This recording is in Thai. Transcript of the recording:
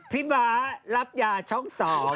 ม้ารับยาช่อง๒